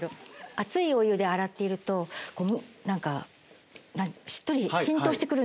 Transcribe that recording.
熱いお湯で洗っていると何かしっとり浸透して来るんですよね。